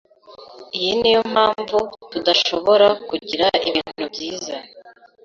Iyi niyo mpamvu tudashobora kugira ibintu byiza.